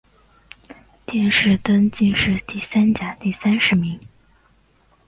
殿试登进士第三甲第三十名。